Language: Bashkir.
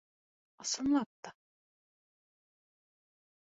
Ысынлап та...